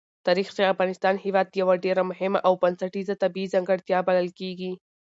تاریخ د افغانستان هېواد یوه ډېره مهمه او بنسټیزه طبیعي ځانګړتیا بلل کېږي.